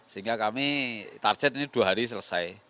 sehingga kami target ini dua hari selesai